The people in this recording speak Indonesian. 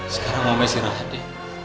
sekarang mama istirahat ya